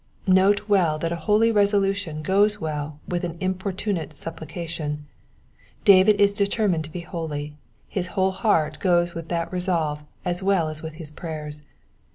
Note well that a holy resolution goes well with an im portunate supplication : David is determined to be holy, his whole heart goes with that resolve as well as with his prayers.